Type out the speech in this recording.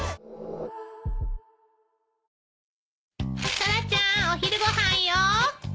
・タラちゃんお昼ご飯よ。